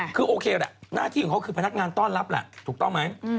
คือโอเคแหละหน้าที่ของเขาคือพนักงานต้อนรับแหละถูกต้องไหม